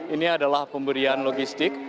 ini adalah pemberian logistik